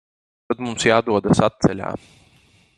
Tad mums jādodas atceļā.